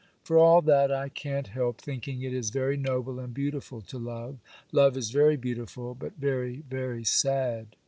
For all that, I can't help thinking it is very noble and beautiful to love,—love is very beautiful, but very, very sad.